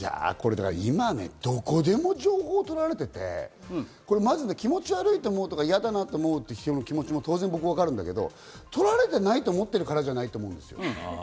今どこでも情報取られていて、まず気持ち悪い、嫌だと思う人の気持ちも当然わかるんだけれども、取られていないと思ってるからじゃないと思うんです。